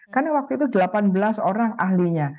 karena waktu itu delapan belas orang ahlinya